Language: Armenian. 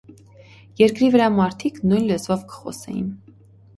Երկրի վրայ մարդիկ նոյն լեզուով կը խօսէին։